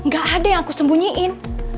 gak ada yang aku sembunyiin